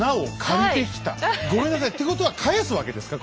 ごめんなさいってことは返すわけですか？